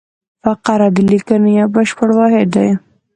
فقره د لیکني یو بشپړ واحد دئ.